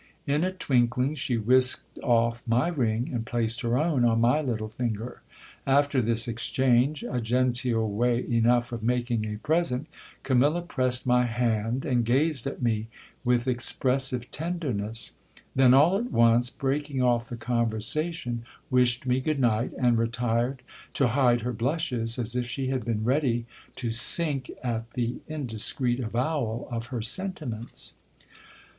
In a twinkling she whisked off my ring, and placed her own on my little finger. After this exchange, a genteel way enough of making a pre sent, Camilla pressed my hand and gazed at me with expressive tenderness ; then, all at once breaking off the conversation, wished me good night, and re tired to hide her blushes, as if she had been ready to sink at the indiscreet avowal of her sentiments.